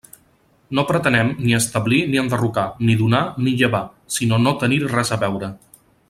No pretenem ni establir ni enderrocar, ni donar ni llevar, sinó no tenir-hi res a veure.